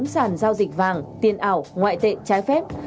bốn sản giao dịch vàng tiền ảo ngoại tệ trái phép